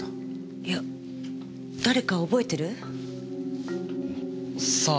いや誰か覚えてる？さあ？